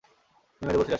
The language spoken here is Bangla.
তিনি মেদিনীপুর ফিরে আসেন।